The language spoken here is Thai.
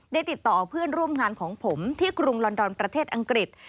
ติดต่อเพื่อนร่วมงานของผมที่กรุงลอนดอนประเทศอังกฤษ